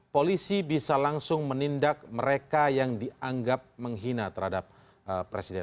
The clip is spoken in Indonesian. polisi bisa langsung menindak mereka yang dianggap menghina terhadap presiden